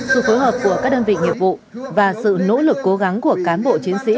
sự phối hợp của các đơn vị nghiệp vụ và sự nỗ lực cố gắng của cán bộ chiến sĩ